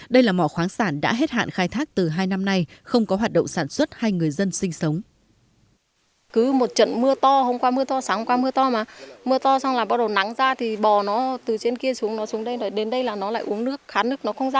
đây là mỏ khoáng sản đã hết hạn khai thác từ hai năm nay không có hoạt động sản xuất hay người dân sinh sống